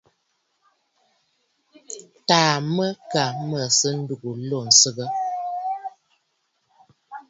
Taà mə kaa mə̀ sɨ̌ ndúgú lô ǹsɨgə.